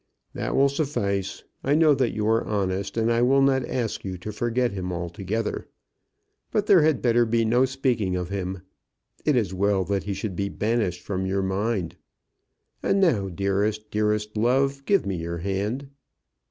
"That will suffice. I know that you are honest, and I will not ask you to forget him altogether. But there had better be no speaking of him. It is well that he should be banished from your mind. And now, dearest, dearest love, give me your hand."